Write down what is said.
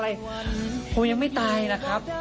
แล้วก็จ้างผมได้อีกนะครับ